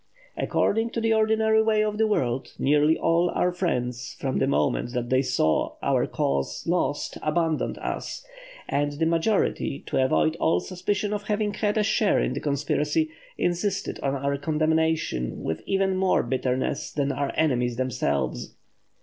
According to the ordinary way of the world, nearly all our friends, from the moment that they saw our cause lost, abandoned us, and the majority, to avoid all suspicion of having had a share in the conspiracy, insisted on our condemnation with even more bitterness than our enemies themselves.